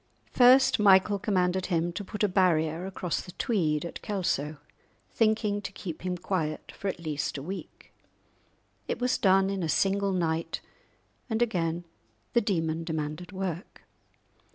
First Michael commanded him to put a barrier across the Tweed at Kelso, thinking to keep him quiet for at least a week; it was done in a single night, and again the demon demanded work.